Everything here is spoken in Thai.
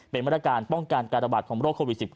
เป็นมาตรการป้องกันการระบาดของโรคโควิด๑๙